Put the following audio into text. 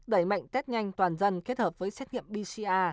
đẩy mạnh test nhanh toàn dân kết hợp với xét nghiệm bca